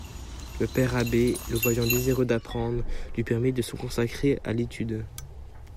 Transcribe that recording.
Le père abbé, le voyant désireux d'apprendre, lui permit de se consacrer à l'étude.